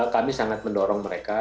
kami sangat mendorong mereka